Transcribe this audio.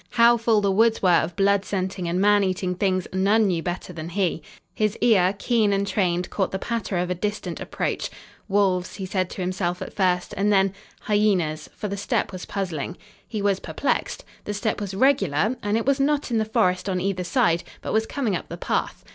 How full the woods were of blood scenting and man eating things none knew better than he. His ear, keen and trained, caught the patter of a distant approach. "Wolves," he said to himself at first, and then "Hyenas," for the step was puzzling. He was perplexed. The step was regular, and it was not in the forest on either side, but was coming up the path.